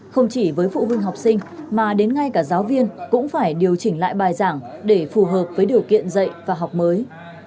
không chỉ với phụ huynh học sinh mà đến ngay cả giáo viên cũng phải điều chỉnh lại bài giảng để phù hợp với điều kiện dạy và học mới